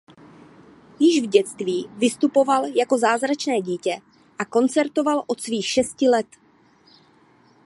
Již v dětství vystupoval jako „zázračné dítě“ a koncertoval od svých šesti let.